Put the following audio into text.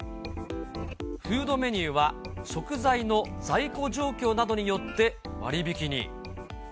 フードメニューは、食材の在庫状況などによってわりびきに。